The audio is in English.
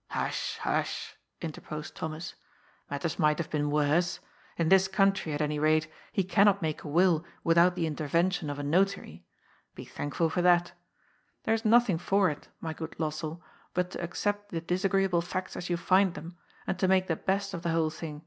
" Hush. Hush," interposed Thomas. " Matters might have been worse. In this country, at any rate, he cannot 278 GOD'S POOL. make a will without the intervention of a Notary. Be thankful for that. There is nothing for it, my good Los sell, but to accept the disagreeable facts as you find them and to make the best of the whole thing.